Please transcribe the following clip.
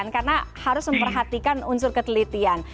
karena harus memperhatikan unsur ketelitian